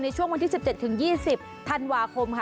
ในช่วงวันที่๑๗๒๐ธันวาคมค่ะ